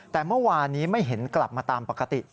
แต่เมื่อวานนี้ไม่เห็นกลับมาตามปกติ